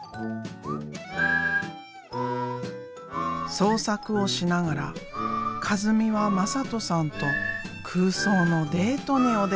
創作をしながら一美はまさとさんと空想のデートにお出かけ。